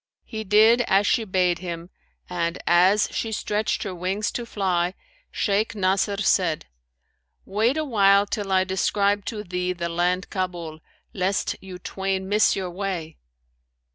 He did as she bade him and, as she stretched her wings to fly, Shaykh Nasr said, 'Wait a while till I describe to thee the land Kabul, lest you twain miss your way.'